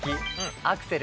アクセル。